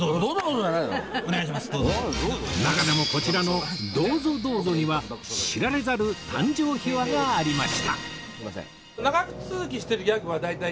中でもこちらの「どうぞどうぞ！」には知られざる誕生秘話がありました